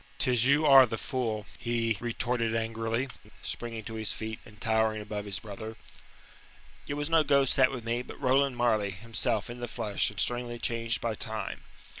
"Tis you are the fool," he retorted angrily, springing to his feet, and towering above his brother. "It was no ghost sat with me, but Roland Marleigh, himself, in the flesh, and strangely changed by time.